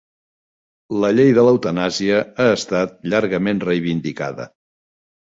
La llei de l'eutanàsia ha estat llargament reivindicada